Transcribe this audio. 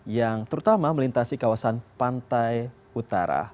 yang terutama melintasi kawasan pantai utara